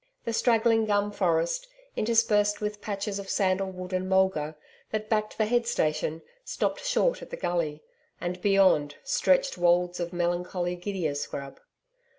The straggling gum forest, interspersed with patches of sandal wood and mulga, that backed the head station, stopped short at the gully, and beyond, stretched wolds of melancholy gidia scrub.